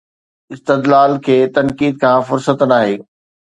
استدلال کي تنقيد کان فرصت ناهي